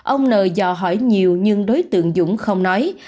ông nờ dò hỏi nhiều nhưng đối tượng dũng không nói